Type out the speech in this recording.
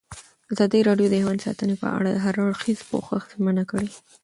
ازادي راډیو د حیوان ساتنه په اړه د هر اړخیز پوښښ ژمنه کړې.